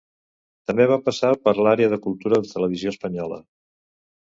També va passar per l'àrea de cultura de Televisió Espanyola.